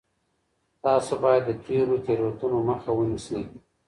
تاسو بايد د تېرو تېروتنو مخه ونيسئ.